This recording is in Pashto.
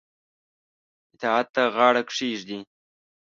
اطاعت ته غاړه کښيږدي.